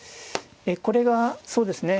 これがそうですね